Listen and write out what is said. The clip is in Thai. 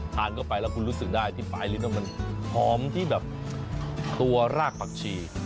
ทานเข้าไปแล้วคุณรู้สึกได้ที่ปลายลิ้นมันหอมที่แบบตัวรากผักชี